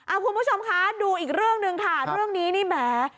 คุณผู้ชมคะดูอีกเรื่องหนึ่งค่ะเรื่องนี้นี่แหม